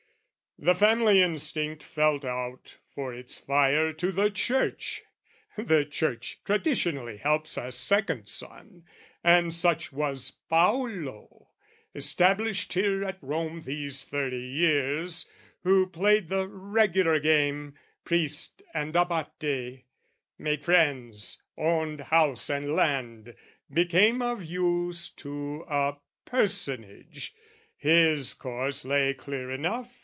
The family instinct felt out for its fire To the Church, the Church traditionally helps A second son: and such was Paolo, Established here at Rome these thirty years, Who played the regular game, priest and Abate, Made friends, owned house and land, became of use To a personage: his course lay clear enough.